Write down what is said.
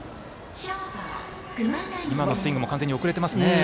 今のスイングも完全に遅れてますね。